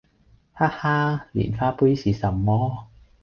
哈哈！蓮花杯是什麼？